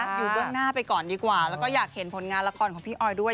อยู่เบื้องหน้าไปก่อนดีกว่าแล้วก็อยากเห็นผลงานละครของพี่ออยด้วย